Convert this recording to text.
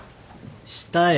したよ。